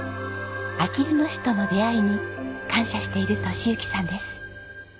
あきる野市との出会いに感謝している敏之さんです。